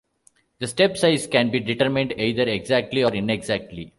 The step size can be determined either exactly or inexactly.